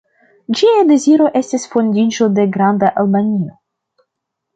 Ĝia deziro estis fondiĝo de Granda Albanio.